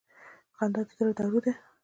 • خندا د زړه دارو ده.